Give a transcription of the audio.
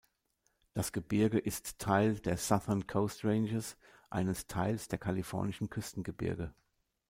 Das Gebirge ist Teil der "Southern Coast Ranges", eines Teiles der kalifornischen Küstengebirge.